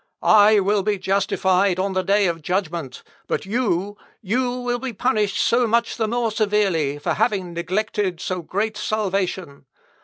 I will be justified on the day of judgment, but you, you will be punished so much the more severely, for having neglected so great salvation.